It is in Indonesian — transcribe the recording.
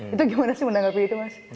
itu gimana sih menanggapi itu mas